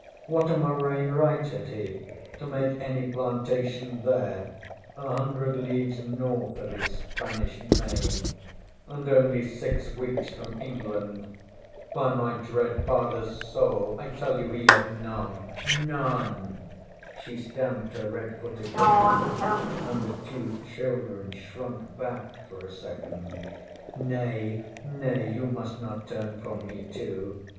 What a murrain right had he to make any plantation there, a hundred leagues north of his Spanish Main, and only six weeks from England? By my dread fatherŌĆÖs soul, I tell you he had none none! ŌĆÖ She stamped her red foot again, and the two children shrunk back for a second. ŌĆśNay, nay. You must not turn from me too!